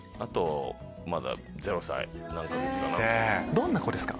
どんな子ですか？